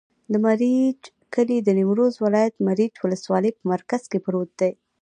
د مريچ کلی د نیمروز ولایت، مريچ ولسوالي په مرکز کې پروت دی.